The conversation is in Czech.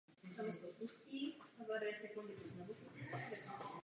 I v současné době je hora častým turistickým cílem.